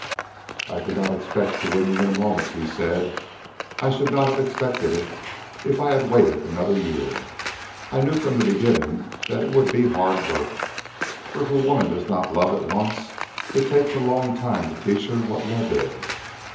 "I did not expect to win you in a moment," he said. "I should not have expected it if I had waited another year. I knew from the beginning that it would be hard work, for if a woman does not love at once it takes a long time to teach her what love is.